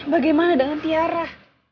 bagaimana dengan tiara